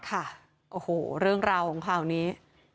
ค่ะโอ้โหเรื่องราวของข่าวนี้